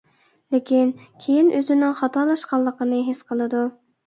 لېكىن، كېيىن ئۆزىنىڭ خاتالاشقانلىقىنى ھېس قىلىدۇ.